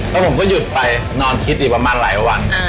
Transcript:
แล้วผมก็หยุดไปนอนคิดอีกประมาณหลายวัน